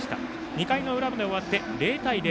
２回の裏まで終わって０対０。